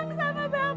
ngasar anak tahu diri